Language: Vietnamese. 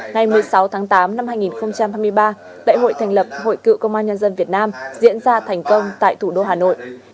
ngày một mươi sáu tháng tám năm hai nghìn hai mươi ba đại hội thành lập hội cựu công an nhân dân việt nam diễn ra thành công tại thủ đô hà nội